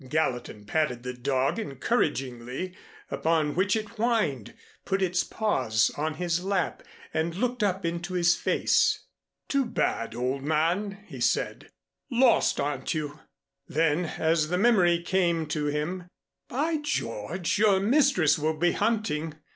Gallatin patted the dog encouragingly, upon which it whined, put its paws on his lap and looked up into his face. "Too bad, old man," he said. "Lost, aren't you?" Then, as the memory came to him, "By George, your mistress will be hunting.